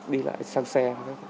đi lại sang xe